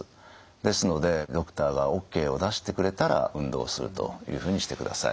ですのでドクターがＯＫを出してくれたら運動をするというふうにしてください。